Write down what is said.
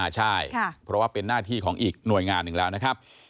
ใช่เพราะว่าเป็นหน้าที่ของอีกหน่วยงานหนึ่งแล้วนะครับ